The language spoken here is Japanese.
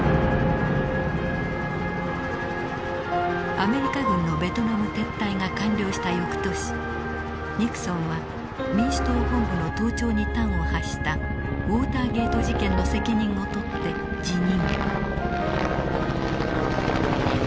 アメリカ軍のベトナム撤退が完了した翌年ニクソンは民主党本部の盗聴に端を発したウォーターゲート事件の責任を取って辞任。